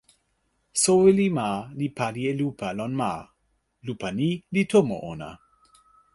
soweli ma li pali e lupa lon ma. lupa ni li tomo ona.